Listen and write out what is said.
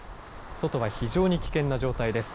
外は非常に危険な状態です。